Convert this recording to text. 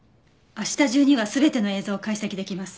明日中には全ての映像を解析できます。